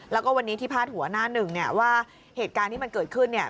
แล้วก็วันนี้ที่พาดหัวหน้าหนึ่งเนี่ยว่าเหตุการณ์ที่มันเกิดขึ้นเนี่ย